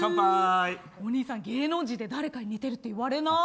お兄さん芸能人で誰かに似てるって言われない。